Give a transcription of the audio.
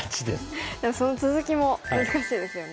でもその続きも難しいですよね。